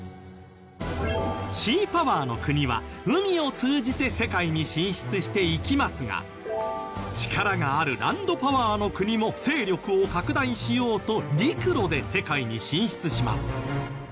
シーパワーの国は海を通じて世界に進出していきますが力があるランドパワーの国も勢力を拡大しようと陸路で世界に進出します。